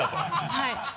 はい！